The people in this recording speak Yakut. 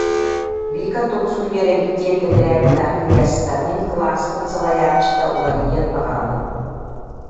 Вика тугу суруйар эбит диэн тэтэрээтин аргыый аста: «Мин кылааспыт салайааччыта уларыйыан баҕарабын